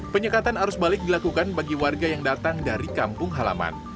penyekatan arus balik dilakukan bagi warga yang datang dari kampung halaman